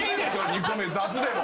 ２個目雑でも。